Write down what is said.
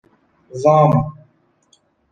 وام